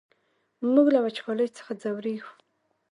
موږ له وچکالۍ څخه ځوريږو!